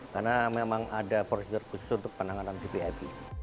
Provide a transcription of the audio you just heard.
karena memang ada prosedur khusus untuk penanganan cpip